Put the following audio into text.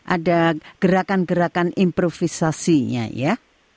ada gerakan gerakan improvisasinya ya